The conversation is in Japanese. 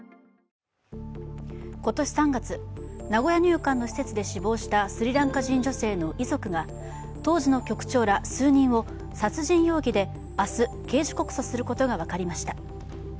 今年３月、名古屋入管の施設で死亡したスリランカ人女性の遺族が当時の局長ら数人を殺人容疑で明日、刑事告訴することが分かりました。